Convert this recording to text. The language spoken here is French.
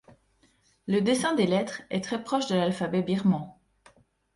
Le dessin des lettres est très proche de l’alphabet birman.